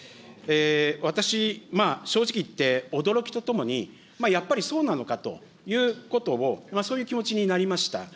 私、正直言って、驚きとともに、やっぱりそうなのかということを、そういう気持ちになりました。